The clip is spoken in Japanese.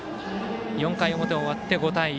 ４回表終わって、５対１。